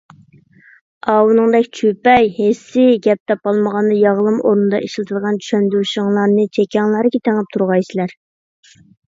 ئاۋۇنىڭدەك چۈپەي، ھېسسىي، گەپ تاپالمىغاندا ياغلىما ئورنىدا ئىشلىتىدىغان چۈشەندۈرۈشلىرىڭلارنى چېكەڭلەرگە تېڭىپ تۇرغايسىلەر.